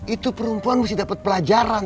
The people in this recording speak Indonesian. itu perempuan mesti dapat pelajaran